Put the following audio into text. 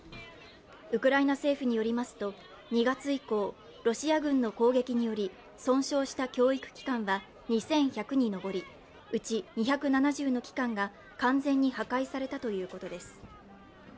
ウクライナ政府によりますと、２月以降、ロシア軍の攻撃により損傷した教育機関は２１００に上り、うち２７０の機関が完全に破壊されたということです。